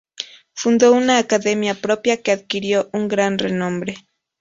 Fundó una academia propia que adquirió un gran renombre.